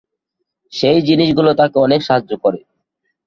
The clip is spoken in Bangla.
সেই জিনিসগুলি তাকে অনেক সাহায্য করে।